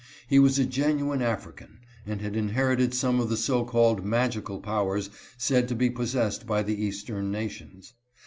He was a genuine African, and liad inherited some of the so called magical powers said to be possessed by the eastern nations.